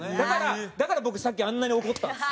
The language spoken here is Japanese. だから僕さっきあんなに怒ったんです。